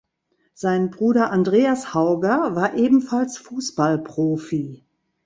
Sein Bruder Andreas Hauger war ebenfalls Fußballprofi.